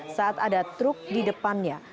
saat ada truk di depannya